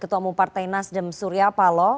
ketua umum partai nasdem surya paloh